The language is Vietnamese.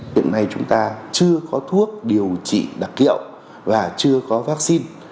hiện nay chúng ta chưa có thuốc điều trị đặc hiệu và chưa có vaccine